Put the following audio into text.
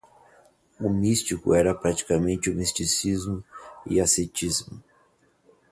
O místico era praticante do misticismo e ascetismo